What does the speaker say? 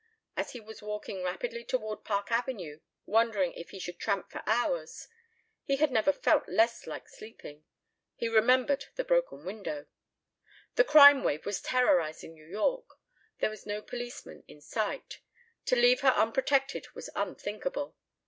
As he was walking rapidly toward Park Avenue, wondering if he should tramp for hours he had never felt less like sleeping he remembered the broken window. The "crime wave" was terrorizing New York. There was no policeman in sight. To leave her unprotected was unthinkable.